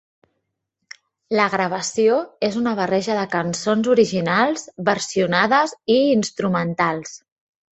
La gravació és una barreja de cançons originals, versionades i instrumentals.